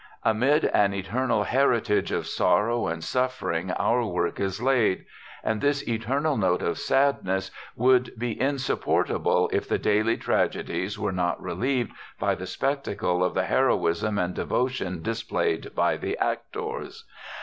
Amid an eternal heritage of sorrow and suffering our work is laid, and this eternal note of sadness would be insupportable if the daily tragedies were not relieved by the spectacle of the heroism and devotion displayed by the actors.